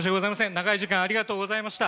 長い時間ありがとうございました。